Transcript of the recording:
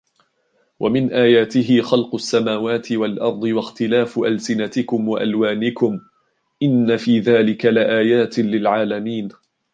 وَمِنْ آيَاتِهِ خَلْقُ السَّمَاوَاتِ وَالْأَرْضِ وَاخْتِلَافُ أَلْسِنَتِكُمْ وَأَلْوَانِكُمْ إِنَّ فِي ذَلِكَ لَآيَاتٍ لِلْعَالِمِينَ